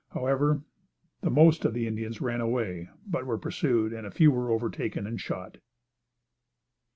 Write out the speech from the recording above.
However, the most of the Indians ran away, but were pursued and a few were overtaken and shot.